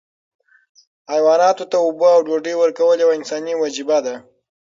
حیواناتو ته اوبه او ډوډۍ ورکول یوه انساني وجیبه ده.